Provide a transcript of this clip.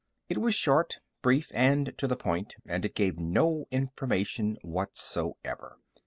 It was short, brief, and to the point. And it gave no information whatsoever.